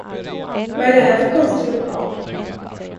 Vad är det här för konstig lokal?